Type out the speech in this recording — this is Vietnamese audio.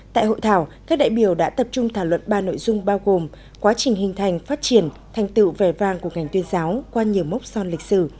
tại hội thảo các đại biểu đã tập trung thảo luận ba nội dung bao gồm quá trình hình thành phát triển thành tựu vẻ vang của ngành tuyên giáo qua nhiều mốc son lịch sử